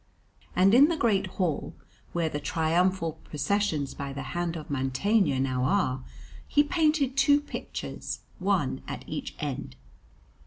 And in the great hall, where the triumphal processions by the hand of Mantegna now are, he painted two pictures, one at each end.